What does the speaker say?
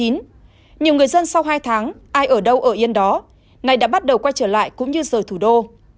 nhiều người dân sau hai tháng ai ở đâu ở yên đó nay đã bắt đầu quay trở lại cũng như rời thủ đô